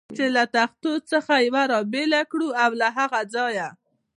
چې له تختو څخه یوه را بېله کړو او له هغه ځایه.